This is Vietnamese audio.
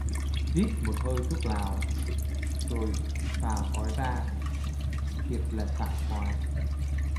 Rít một hơi thuốc lào rồi phà khói ra, thiệt là sảng khoái